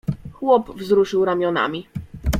"Chłop wzruszył ramionami."